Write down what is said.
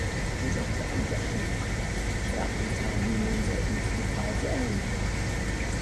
Jedoch bei unterschiedlich leistungsstarken Teilnehmern, sollten sich die Preise ähneln.